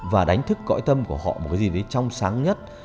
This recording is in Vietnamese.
và đánh thức cõi tâm của họ một cái gì đấy trong sáng nhất